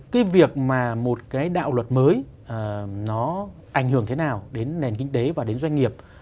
cái việc mà một cái đạo luật mới nó ảnh hưởng thế nào đến nền kinh tế và đến doanh nghiệp